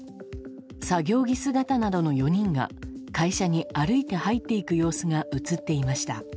作業着姿などの４人が会社に歩いて入っていく様子が映っていました。